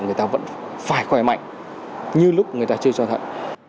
người ta vẫn phải khỏe mạnh như lúc người ta chưa cho thận